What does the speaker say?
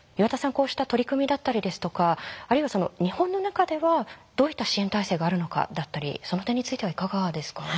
こうした取り組みだったりですとかあるいは日本の中ではどういった支援体制があるのかだったりその点についてはいかがですか？